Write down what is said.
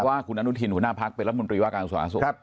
ว่าคุณอนุทินคุณหน้าพักษ์เป็นรัฐมนตรีว่าการอุตสาธารณสุข